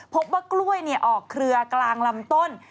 พบว่ากล้วยออกเครือกลางลำต้น